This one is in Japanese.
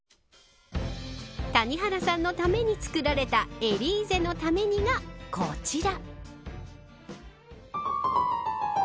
谷原さのために作られたエリーゼのためにがこちら。